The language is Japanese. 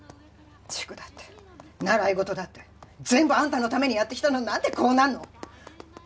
塾だって習い事だって全部あんたのためにやってきたのに何でこうなんの？